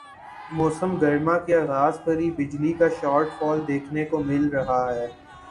موسم گرما کے آغاز پر ہی بجلی کا شارٹ فال دیکھنے کو مل رہا ہے